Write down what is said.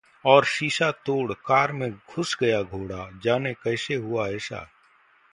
...और शीशा तोड़ कार में घुस गया घोड़ा, जानें कैसे हुआ ऐसा